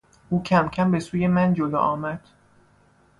او کمکم به سوی من جلو آمد.